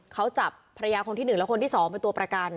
เขาจับภรรยาคนที่หนึ่งแล้วคนที่สองเป็นตัวประกัน